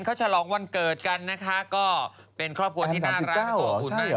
คุณแอนชะลองวันเกิดกันนะคะก็เป็นครอบครัวที่น่ารัก